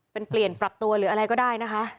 เป็นเปลี่ยนปรับตัวหรืออะไรก็ได้นะคะ